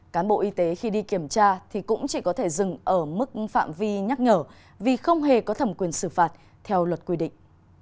cán bộ y tế khi đi kiểm tra thì cũng chỉ có thể dừng ở mức phạm vi nhắc nhở vì không hề có thẩm quyền xử phạt theo luật quy định